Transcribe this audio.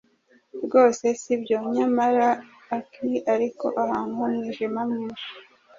rwose sibyo) nyamara accurst) ariko ahantu h'umwijima mwinshi,